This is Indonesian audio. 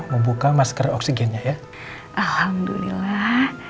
membuka masker oksigen ya ya alhamdulillah